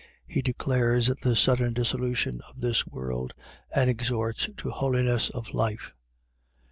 He declares the sudden dissolution of this world and exhorts to holiness of life.